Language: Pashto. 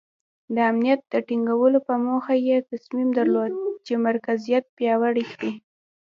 د امنیت د ټینګولو په موخه یې تصمیم درلود چې مرکزیت پیاوړی کړي.